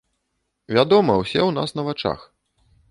Вядома, усе ў нас на вачах.